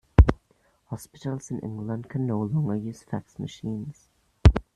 Hospitals in England can no longer use fax machines.